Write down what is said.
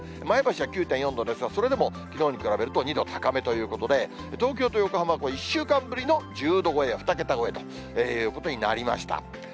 前橋は９．４度ですが、それでもきのうに比べると２度高めということで、東京と横浜は１週間ぶりの１０度超えや２桁超えということになりました。